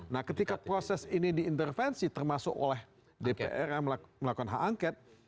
nah ketika proses ini diintervensi termasuk oleh dpr yang melakukan hak angket